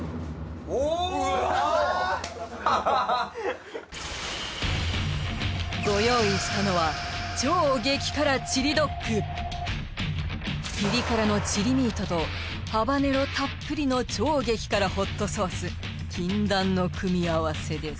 おおああご用意したのはピリ辛のチリミートとハバネロたっぷりの超激辛ホットソース禁断の組み合わせです